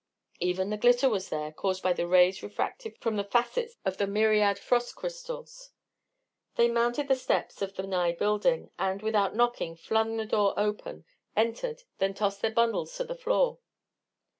Even the glitter was there, caused by the rays refracted from the facets of the myriad frost crystals. They mounted the steps of the nigh building, and, without knocking, flung the door open, entered, then tossed their bundles to the floor.